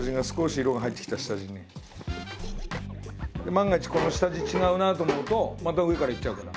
万が一この下地違うなと思うとまた上からいっちゃうから。